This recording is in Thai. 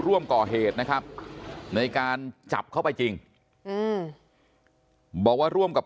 ร่วมก่อเหตุนะครับในการจับเข้าไปจริงบอกว่าร่วมกับ